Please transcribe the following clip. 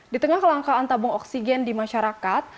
di tengah kelangkaan tabung oksigen di masyarakat